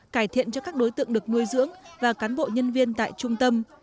cải thiện cho các đối tượng được nuôi dưỡng và cán bộ nhân viên tại trung tâm